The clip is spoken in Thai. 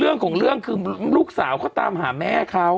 เรื่องของเรื่องคือลูกสาวเขาตามหาแม่เขา